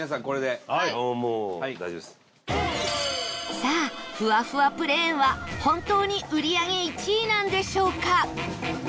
さあ、ふわふわプレーンは本当に売り上げ１位なんでしょうか？